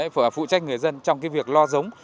phụ trách người dân trong việc lo giống